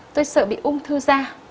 tôi sợ bị ung thư da